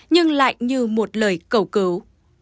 nhưng lại như một lời cầu cứu